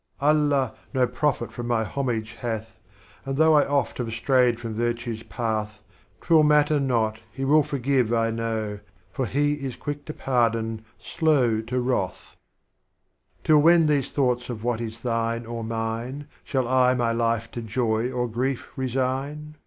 Allah no Profit from my Homage hath. And though I oft have strayed from Virtue's Path, 'T will matter not, He will forgive I know, For He is quick to Pardon, slow to Wrath. Strophes of Omar Khayyam. 63 vn. Till When these thoughts of what is Thine or Mine V Shall I my Life to Joy or Grief resign?